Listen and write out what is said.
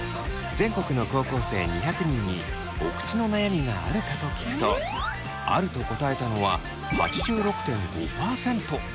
全国の高校生２００人に「おくちの悩みがあるか」と聞くと「ある」と答えたのは８６．５％。